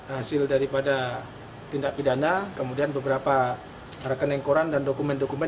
hasil daripada tindak pidana kemudian beberapa rekening koran dan dokumen dokumen